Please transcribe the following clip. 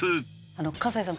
河西さん